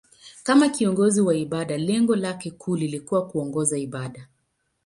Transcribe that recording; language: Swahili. Kama kiongozi wa ibada, lengo lake kuu lilikuwa kuongoza ibada.